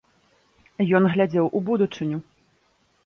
Ён глядзеў у будучыню.